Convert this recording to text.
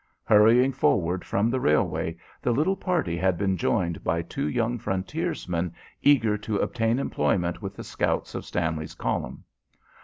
Hurrying forward from the railway, the little party had been joined by two young frontiersmen eager to obtain employment with the scouts of Stanley's column.